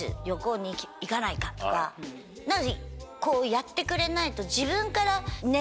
やってくれないと。